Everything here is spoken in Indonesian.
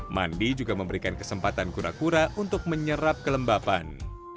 mandi juga memberikan kesempatan kura kura untuk menyerap kelembapan